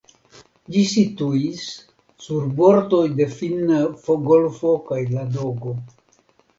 Ĝi situis sur bordoj de Finna golfo kaj Ladogo.